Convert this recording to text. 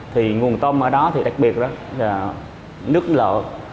thì nguồn tôm ở đó thì đặc biệt là nước lợ